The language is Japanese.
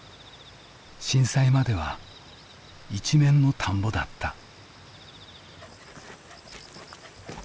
震災までは一面の田んぼだった。